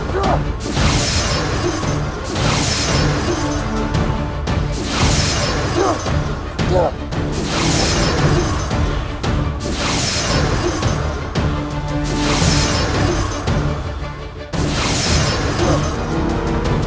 jangan kalau di cenar